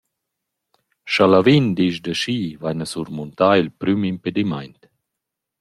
«Scha Lavin disch da schi vaina surmuntà il prüm impedimaint.